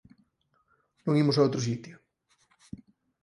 Non imos a outro sitio.